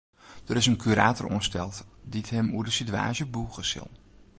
Der is in kurator oansteld dy't him oer de sitewaasje bûge sil.